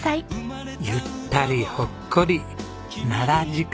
ゆったりほっこり奈良時間。